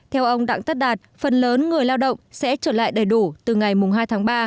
theo ông đặng tất đạt phần lớn người lao động sẽ trở lại đầy đủ từ ngày hai tháng ba